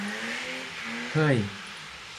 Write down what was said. เฮ่ย